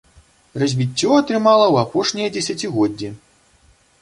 Развіццё атрымала ў апошнія дзесяцігоддзі.